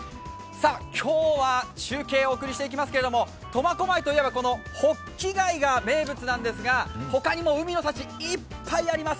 今日は中継をお送りしていきますけど苫小牧といえばほっき貝が名物なんですが、他にも海の幸、いっぱいあります。